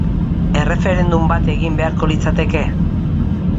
Erreferendum bat egin beharko litzateke?